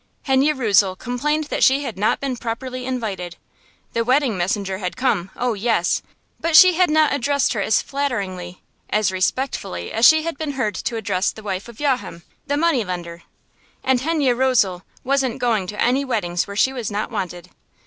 Henne Rösel complained that she had not been properly invited. The wedding messenger had come, oh, yes! but she had not addressed her as flatteringly, as respectfully as she had been heard to address the wife of Yohem, the money lender. And Henne Rösel wasn't going to any weddings where she was not wanted.